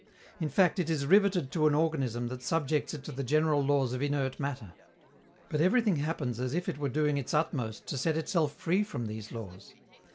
In fact, it is riveted to an organism that subjects it to the general laws of inert matter. But everything happens as if it were doing its utmost to set itself free from these laws.